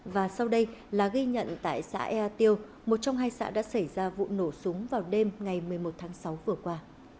và sau đây là ghi nhận tại xã ea tiêu một trong hai xã đã xảy ra vụ nổ súng vào đêm ngày một mươi một tháng sáu vừa qua